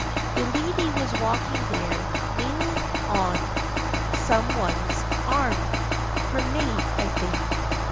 The lady was walking there, leaning on some one's arm. Her maid, I think."